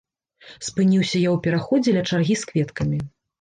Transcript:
Спыніўся я ў пераходзе ля чаргі з кветкамі.